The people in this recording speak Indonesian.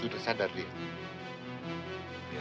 sudah sadar ya